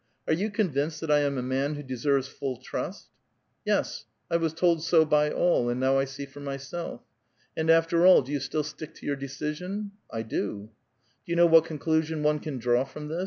Are yon convinced that I am a man who deserves full trust?" Yes ; I was told so by all, and noift I see for myself." " And after all, do you still stick to your decision? "'^ I do." Do you know what conclusion one can draw from this?